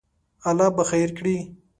الله به خیر کړی